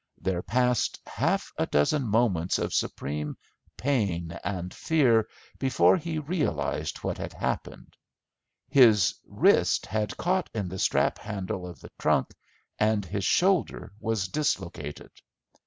There passed half a dozen moments of supreme pain and fear before he realised what had happened. His wrist had caught in the strap handle of the trunk, and his shoulder was dislocated.